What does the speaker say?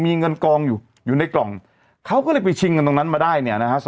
มีเงินกองอยู่อยู่ในกล่องเขาก็เลยไปชิงเงินตรงนั้นมาได้เนี่ยนะฮะ